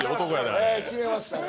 あれええ決めましたね